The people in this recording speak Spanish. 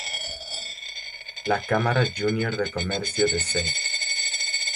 La Cámara Júnior de Comercio de St.